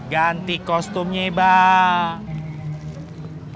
ganti kostumnya bang